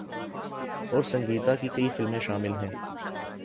اور سنگیتا کی کئی فلمیں شامل ہیں۔